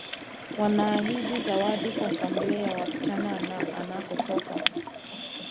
Wanaahidi zawadi kwa familia ya msichana anakotoka